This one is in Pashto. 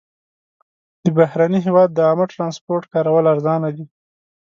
د بهرني هېواد د عامه ترانسپورټ کارول ارزانه دي.